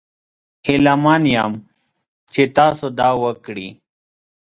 هیله من یم چې تاسو دا وکړي.